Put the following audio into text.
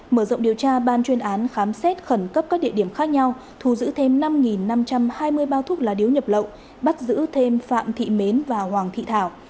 mở rộng điều tra ban chuyên án khám xét khẩn cấp các địa điểm khác nhau thu giữ thêm năm năm trăm hai mươi bao thuốc lá điếu nhập lậu bắt giữ thêm phạm thị mến và hoàng thị thảo